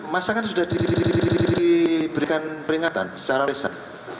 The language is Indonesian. masa kan sudah diberikan peringatan secara lisan